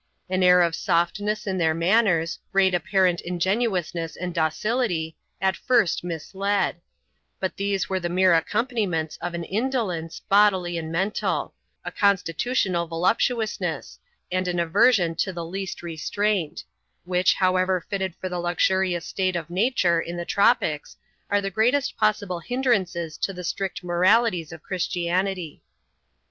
An air of softness in their manners, great apparent ingenuousness and docility, at first misled ; but these were the mere accompaniments of an indolence, bodily and mental ; a constitutional voluptuousness; and an aversion to the least restraint; which, however fitted for the luxurious state of nature, in the tropics, are the greatest possible hindrances to the strict moralities of Christianity.